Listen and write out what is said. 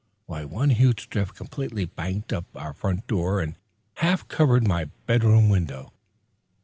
One huge drift completely banked up our front door and half covered my bedroom window.